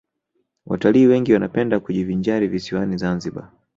watalii wengi wanapenda kujivinjari visiwani zanzibar